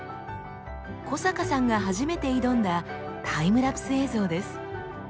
小坂さんが初めて挑んだタイムラプス映像です。